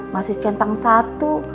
masih centang satu